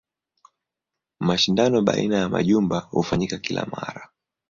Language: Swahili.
Mashindano baina ya majumba hufanyika kila mara.